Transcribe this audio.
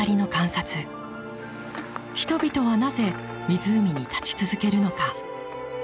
人々はなぜ湖に立ち続けるのか。